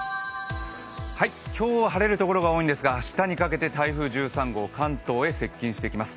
今日は晴れるところが多いんですが明日にかけて台風１３号、関東へ接近してきます。